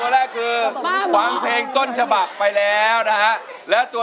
เลือกใช้ตัวช่วยแล้วสองตัว